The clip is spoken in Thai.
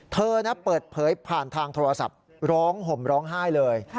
เธอเปิดเผยผ่านทางโทรศัพท์ร้องห่มร้องไห้เลย